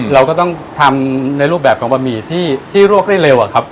เราก็ต้องทำในรูปแบบของบะหมี่ที่ลวกได้เร็วอะครับ